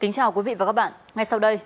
cảm ơn các bạn đã theo dõi